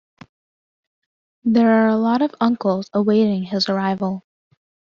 There are a lot of uncles awaiting his arrival.